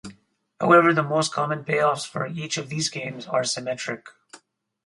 However, the most common payoffs for each of these games are symmetric.